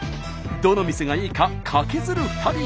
どの店がいいかカケズる２人。